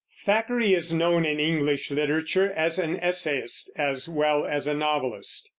Thackeray is known in English literature as an essayist as well as a novelist.